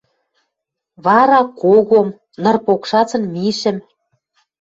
Вара — когом, ныр покшацын мишӹм...